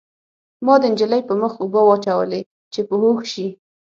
ما د نجلۍ په مخ اوبه واچولې چې په هوښ شي